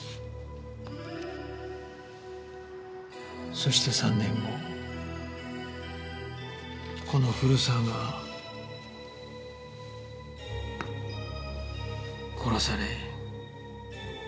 そして３年後この古沢が殺され。